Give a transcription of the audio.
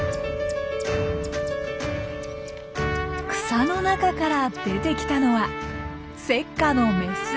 草の中から出てきたのはセッカのメス。